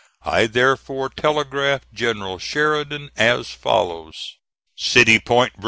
I therefore telegraphed General Sheridan as follows: "CITY POINT, VA.